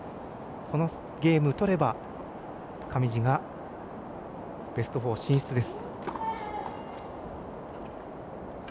このゲームとれば上地がベスト４進出です。